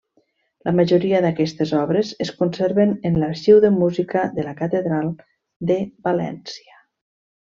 La majoria d'aquestes obres es conserven en l'Arxiu de música de la catedral de València.